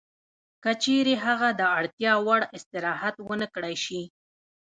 که چېرې هغه د اړتیا وړ استراحت ونه کړای شي